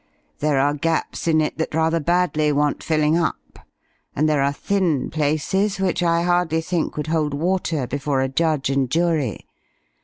There are gaps in it that rather badly want filling up, and there are thin places which I hardly think would hold water before a judge and jury.